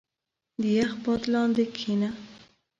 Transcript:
• د یخ باد لاندې کښېنه.